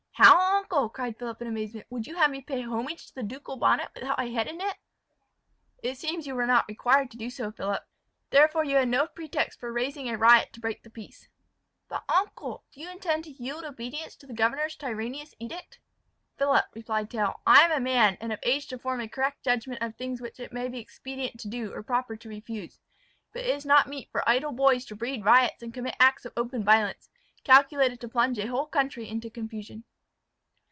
"How, uncle!" cried Philip in amaze; "would you have me pay homage to the ducal bonnet without a head in it?" "It seems you were not required to do so, Philip; therefore you had no pretext for raising a riot to break the peace." "But, uncle, do you intend to yield obedience to the governor's tyrannous edict?" "Philip," replied Tell, "I am a man, and of age to form a correct judgment of the things which it may be expedient to do or proper to refuse. But it is not meet for idle boys to breed riots and commit acts of open violence, calculated to plunge a whole country into confusion."